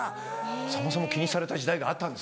さんまさんも気にされた時代があったんですね。